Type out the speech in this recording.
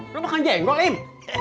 lo makan jenggol im